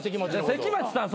関町さん